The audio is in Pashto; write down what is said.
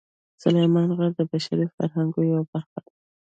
سلیمان غر د بشري فرهنګ یوه برخه ده.